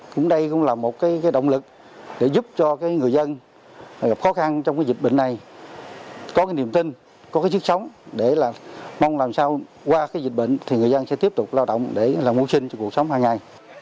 cũng đây cũng là một cái động lực để giúp cho người dân gặp khó khăn trong dịch bệnh này có niềm tin có chức sống để mong làm sao qua dịch bệnh thì người dân sẽ tiếp tục lao động để làm hỗ trình cho cuộc sống hàng ngày